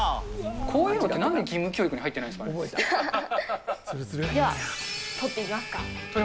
こういうのって、なんで義務では、採っていきますか。